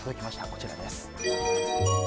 こちらです。